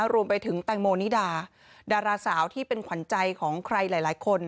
รวมไปถึงแตงโมนิดาดาราสาวที่เป็นขวัญใจของใครหลายคน